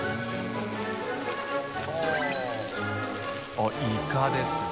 あっイカですね。